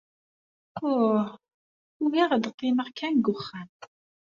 Uh, ugaɣ ad qqimeɣ kan deg wexxam.